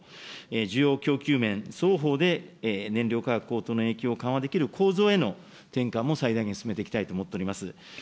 需要供給面双方で燃料価格高騰の影響を緩和できる構造への転換も最大限進めていきたいと思っております。